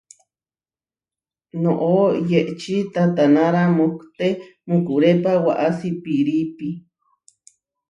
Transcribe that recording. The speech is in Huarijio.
Noʼó yehčí tatanára mohté mukurépa waʼasí pirípi.